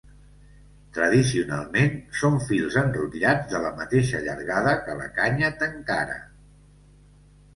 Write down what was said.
Tradicionalment, són fils enrotllats de la mateixa llargada que la canya Tenkara.